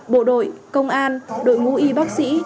bộ đội công an đội ngũ y bác sĩ